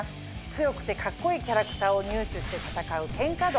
強くてカッコいいキャラクターを入手して戦う『喧嘩道』。